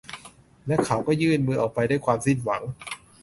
และเขาก็ยื่นมืออกไปด้วยความสิ้นหวัง